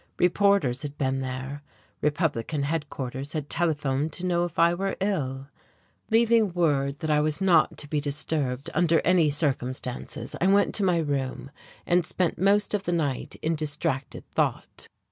Reporters had been there, Republican Headquarters had telephoned to know if I were ill. Leaving word that I was not to be disturbed under any circumstances, I went to my room, and spent most of the night in distracted thought.